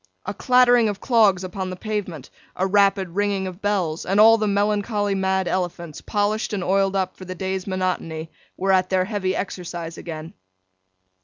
A clattering of clogs upon the pavement; a rapid ringing of bells; and all the melancholy mad elephants, polished and oiled up for the day's monotony, were at their heavy exercise again.